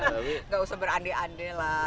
nggak usah berande ande lah